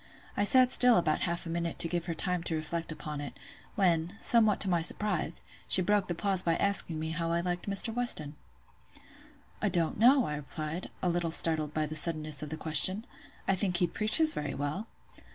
I sat still about half a minute to give her time to reflect upon it; when, somewhat to my surprise, she broke the pause by asking me how I liked Mr. Weston? "I don't know," I replied, a little startled by the suddenness of the question; "I think he preaches very well."